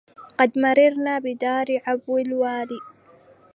قد مررنا بدار عبو الوالي